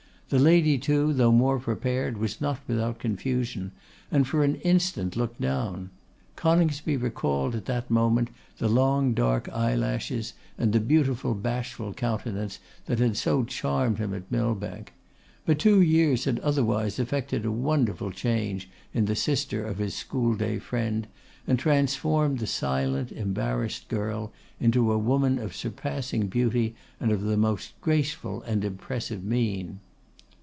The lady, too, though more prepared, was not without confusion, and for an instant looked down. Coningsby recalled at that moment the long dark eyelashes, and the beautiful, bashful countenance that had so charmed him at Millbank; but two years had otherwise effected a wonderful change in the sister of his school day friend, and transformed the silent, embarrassed girl into a woman of surpassing beauty and of the most graceful and impressive mien.